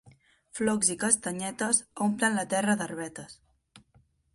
Flocs i castanyetes, omplen la terra d'herbetes.